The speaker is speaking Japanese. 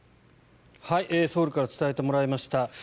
ソウルから伝えてもらいました。